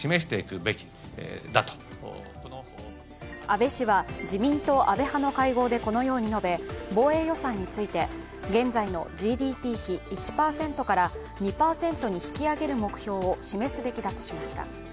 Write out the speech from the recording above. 安倍氏は自民党安倍派の会合でこのように述べ、防衛予算について、現在のＧＤＰ比１％から２％に引き上げる目標を示すべきだとしました。